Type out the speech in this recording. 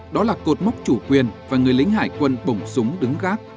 đó là cột mốc chủ quyền và người lính hải quân bổng súng đứng gác